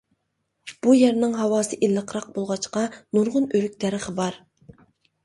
بۇ يەرنىڭ ھاۋاسى ئىللىقراق بولغاچقا، نۇرغۇن ئۆرۈك دەرىخى بار.